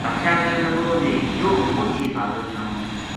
بادشاہ کہن لگو جی یوہ مچ ہی بہادر جنو ہے